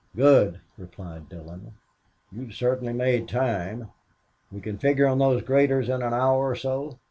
"Good!" replied Dillon. "You certainly made time. We can figure on those graders in an hour or so?"